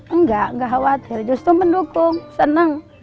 enggak enggak khawatir justru mendukung senang